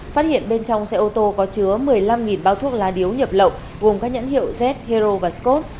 phát hiện bên trong xe ô tô có chứa một mươi năm bao thuốc lá điếu nhập lậu gồm các nhãn hiệu z hero và scot